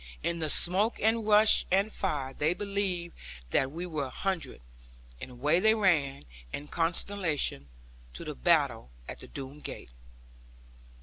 In the smoke and rush, and fire, they believed that we were a hundred; and away they ran, in consternation, to the battle at the Doone gate.